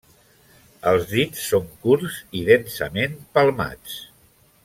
Els dits són curts i densament palmats.